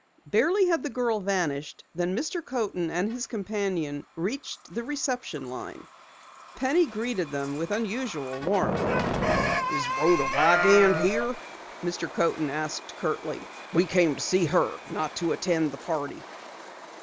Barely had the girl vanished than Mr. Coaten and his companion reached the reception line. Penny greeted them with unusual warmth. "Is Rhoda Wiegand here?" Mr. Coaten asked curtly. "We came to see her, not to attend the party."